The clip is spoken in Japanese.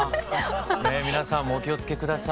ねえ皆さんもお気を付け下さい。